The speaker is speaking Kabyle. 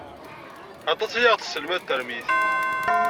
Aṭas ay aɣ-d-tesselmad termit.